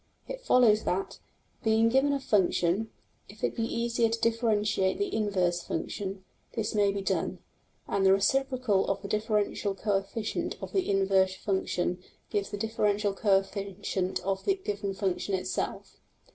\] It follows that, being given a function, if it be easier to differentiate the inverse function, this may be done, and the reciprocal of the differential coefficient of the inverse function gives the differential coefficient of the given function itself.